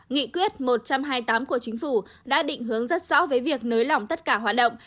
nghị quyết một trăm hai mươi tám của chính phủ đã định hướng rất rõ với việc nới lỏng tất cả hoạt động